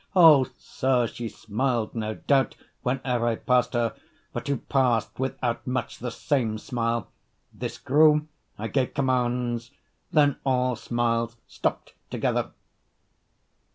Oh sir, she smiled, no doubt, Whene'er I passed her; but who passed without Much the same smile? This grew; I gave commands; Then all smiles stopped together.